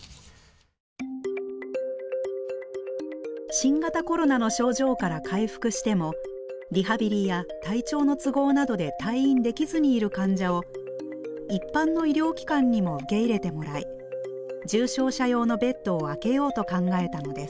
新型コロナの症状から回復してもリハビリや体調の都合などで退院できずにいる患者を一般の医療機関にも受け入れてもらい重症者用のベッドを空けようと考えたのです。